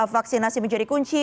vaksinasi menjadi kunci